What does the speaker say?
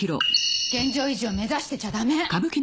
現状維持を目指してちゃだめ。